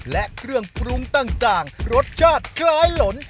และเครื่องปรุงต่างรสชาติคล้ายหลน